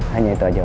hanya itu aja pak